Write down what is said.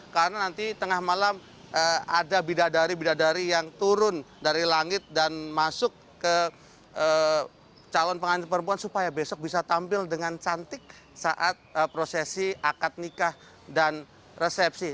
karena nanti tengah malam ada bidadari bidadari yang turun dari langit dan masuk ke calon pengantin perempuan supaya besok bisa tampil dengan cantik saat prosesi akad nikah dan resepsi